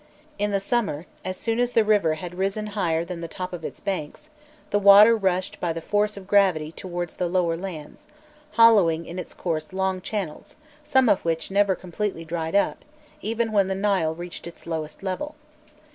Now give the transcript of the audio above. In the summer, as soon as the river had risen higher than the top of its banks, the water rushed by the force of gravity towards the lower lands, hollowing in its course long channels, some of which never completely dried up, even when the Nile reached its lowest level.